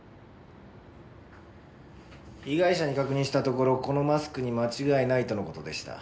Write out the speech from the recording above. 被害者に確認したところこのマスクに間違いないとの事でした。